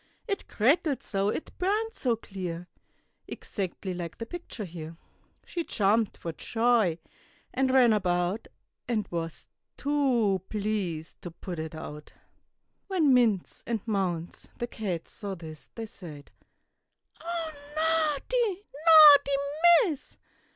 It crackled so, it burned so clear, Exactly like the picture here. She jumped for joy and ran about, And was too pleased to put it out. When Minz and Maunz, the cats, saw this, They said, "Oh, naughty, naughty Miss!"